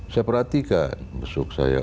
saya perhatikan besok saya